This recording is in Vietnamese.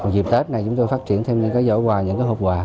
dịp tết này chúng tôi phát triển thêm những cái giỏ quà những cái hộp quà